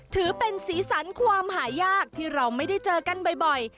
ถือเป็นสีสันความหายากที่เราไม่ได้เจอกันบ่อย